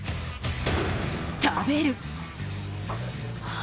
食べる。